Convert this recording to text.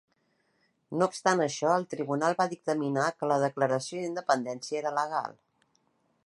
No obstant això, el tribunal va dictaminar que la declaració d'independència era legal.